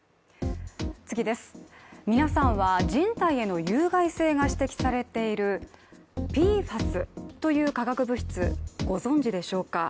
皆さんは、人体への有害性が指摘されているＰＦＡＳという化学物質、ご存じでしょうか。